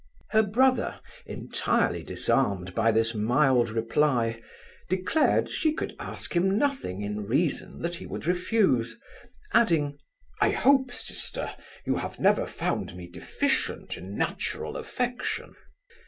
Her brother, entirely disarmed by this mild reply, declared, she could ask him nothing in reason that he would refuse; adding, 'I hope, sister, you have never found me deficient in natural affection.